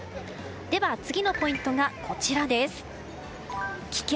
では、次のポイントがこちら。